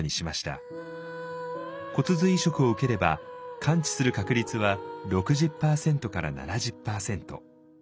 骨髄移植を受ければ完治する確率は６０％から７０％。